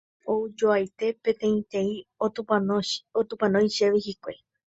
Oujoaite peteĩteĩ otupãnói chéve hikuái.